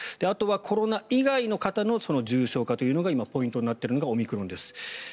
あとはコロナ以外の方の重症者が今、ポイントになっているのがオミクロンです。